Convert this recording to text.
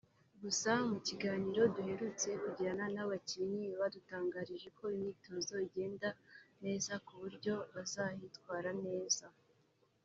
Gusa mu kiganiro duherutse kugirana n’abakinnyi badutangarije ko imyitozo igenda neza ku buryo bazahitwara neza